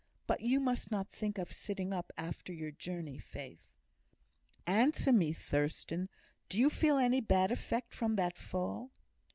But you must not think of sitting up after your journey, Faith." "Answer me, Thurstan. Do you feel any bad effect from that fall?"